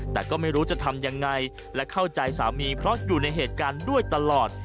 แต่ก็ไม่รู้จะทำยังไงและเข้าใจสามีเพราะอยู่ในเหตุการณ์ด้วยตลอด